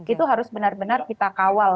itu harus benar benar kita kawal